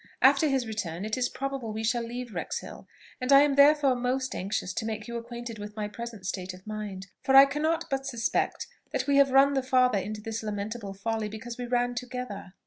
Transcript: After his return, it is probable we shall leave Wrexhill; and I am therefore most anxious to make you acquainted with my present state of mind, for I cannot but suspect that we have run the farther into this lamentable folly because we ran together.